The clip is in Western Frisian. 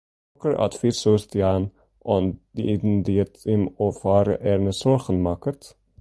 Hokker advys soest jaan oan ien dy’t him of har earne soargen makket?